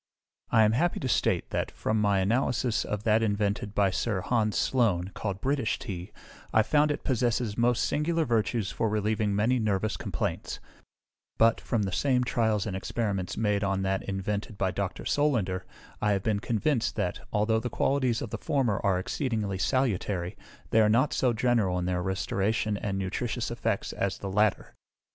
I am happy to state that, from my analysis of that invented by Sir Hans Sloane, called British Tea, I found it possesses most singular virtues for relieving many nervous complaints; but, from the same trials and experiments made on that invented by Dr. Solander, I have been convinced that, although the qualities of the former are exceedingly salutary, they are not so general in their restoration and nutritious effects as the latter.